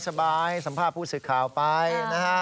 สัมภาพผู้สื่อข่าวไปนะฮะ